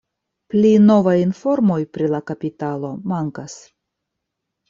Pli novaj informoj pri la kapitalo mankas.